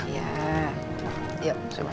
saya bantu ya